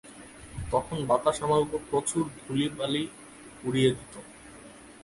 তখন বাতাস আমার উপর প্রচুর ধূলিবালি উড়িয়ে দিত।